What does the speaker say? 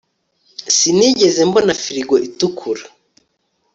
Sinigeze mbona firigo itukura